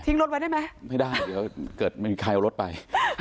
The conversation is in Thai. รถไว้ได้ไหมไม่ได้เดี๋ยวเกิดมีใครเอารถไป